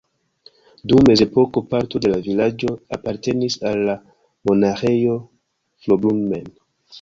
Dum mezepoko parto de la vilaĝo apartenis al la Monaĥejo Fraubrunnen.